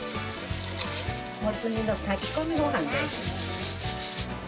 モツ煮の炊き込みごはんです。